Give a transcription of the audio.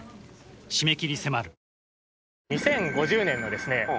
２０５０年のですね